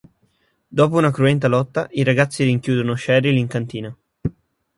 Dopo una cruenta lotta, i ragazzi rinchiudono Cheryl in cantina.